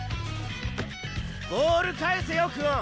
ボール返せよ久遠！